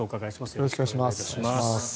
よろしくお願いします。